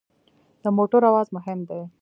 د موټر اواز مهم دی.